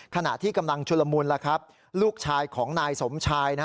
ขณะที่กำลังชุลมุนแล้วครับลูกชายของนายสมชาย